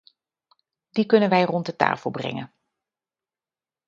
Die kunnen wij rond de tafel brengen.